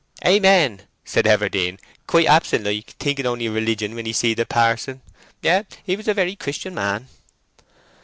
'Amen' said Everdene, quite absent like, thinking only of religion when he seed a parson. Yes, he was a very Christian man."